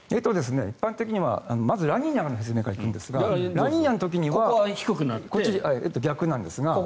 一般的にはまずラニーニャのほうですがラニーニャの時には逆なんですが。